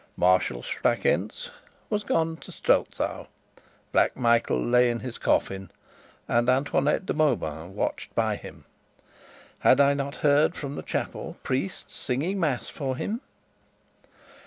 Marshal Strakencz was gone to Strelsau; Black Michael lay in his coffin, and Antoinette de Mauban watched by him; had I not heard, from the chapel, priests singing mass for him?